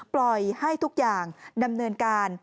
ปล่อยให้ทุกอย่างดำเนินการ